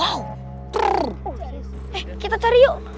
eh kita cari yuk